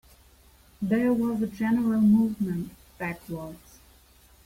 There was a general movement backwards.